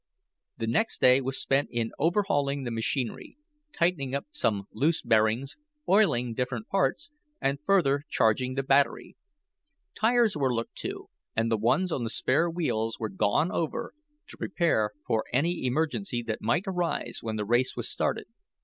The next day was spent in overhauling the machinery, tightening up some loose bearings, oiling different parts, and further charging the battery. Tires were looked to, and the ones on the spare wheels were gone over to prepare for any emergency that might arise when the race was started.